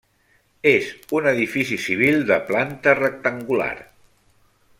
És un edifici civil de planta rectangular.